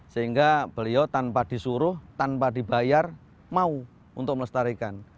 sehingga beliau tanpa disuruh tanpa dibayar mau untuk melestarikan